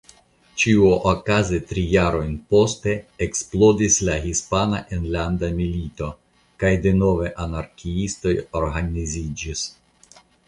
Ĉiuokaze tri jarojn poste eksplodis la Hispana Enlanda Milito kaj denove anarkiistoj organiziĝis.